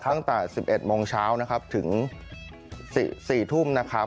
ข้างบัวแห่งสันยินดีต้อนรับทุกท่านนะครับ